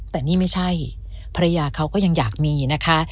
แต่นี่ไม่ใช่ภรรยาเขาก็ยังอยากมีนะคะ